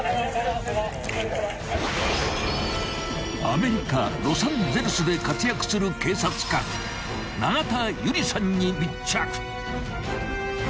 ［アメリカロサンゼルスで活躍する警察官永田有理さんに密着］